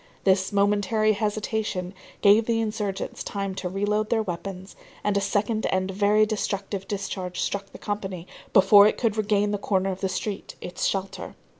This momentary hesitation gave the insurgents time to re load their weapons, and a second and very destructive discharge struck the company before it could regain the corner of the street, its shelter.